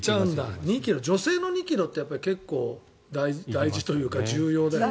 女性の２ｋｇって結構大事というか重要だよね。